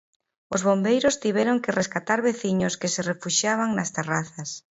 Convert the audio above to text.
Os bombeiros tiveron que rescatar veciños que se refuxiaban nas terrazas.